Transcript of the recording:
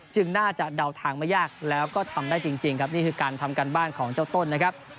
น่าจะเดาทางไม่ยากแล้วก็ทำได้จริงครับนี่คือการทำการบ้านของเจ้าต้นนะครับ